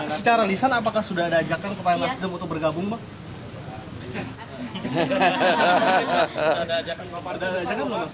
secara lisan apakah sudah ada ajakan kepada nasdem untuk bergabung pak